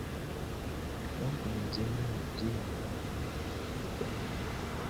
Kkampuni ez'enjawulo ziyamba abanoonyiboobubudamu.